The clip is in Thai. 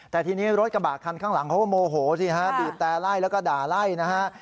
แต่ทีนี้รถกระบ่าขันข้างหลังเค้ามโมโห้ดิบแต่ไล่แล้วก็ด่าไล่นะฮะ